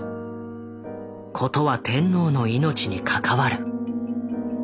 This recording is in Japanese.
事は天皇の命に関わる。